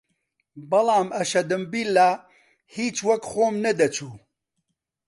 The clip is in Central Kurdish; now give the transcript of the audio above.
بەڵام ئەشەدەمبیللا هیچ وەک خۆم نەدەچوو